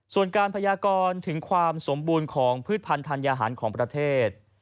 ส่วนการพยากรถึงความสมบูรณ์ของพืชพันธัญญาหารของประเทศ